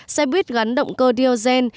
xe buýt gắn động cơ diesel